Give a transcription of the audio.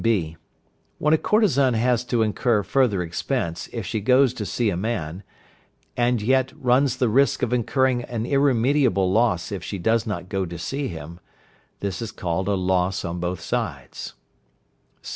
(b). When a courtesan has to incur further expense if she goes to see a man, and yet runs the risk of incurring an irremediable loss if she does not go to see him, this is called a loss on both sides.